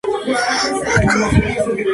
Se encuentra en Augusta, Estados Unidos.